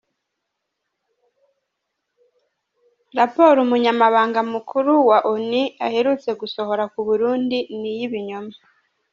rapport umunyamabanga mukuru wa onu aherutse gusohora ku Burundi ni iy'ibinyoma.